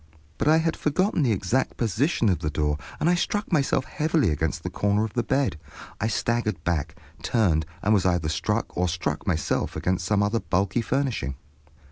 But I had forgotten the exact position of the door, and I struck myself heavily against the corner of the bed. I staggered back, turned, and was either struck or struck myself against some other bulky furnishing.